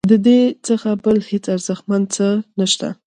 ددې څخه بل هیڅ ارزښتمن څه نشته.